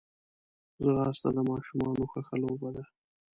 ځغاسته د ماشومانو خوښه لوبه ده